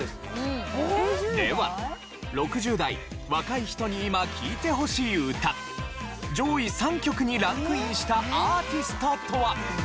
では６０代若い人に今聴いてほしい歌上位３曲にランクインしたアーティストとは？